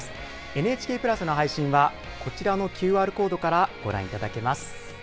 ＮＨＫプラスの配信は、こちらのＱＲコードからご覧いただけます。